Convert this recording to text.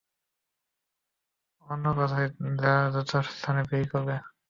অন্যথায় তা যথাস্থানে ব্যয় করবে।